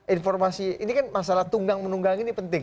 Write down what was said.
informasi ini kan masalah tunggang menunggangi ini penting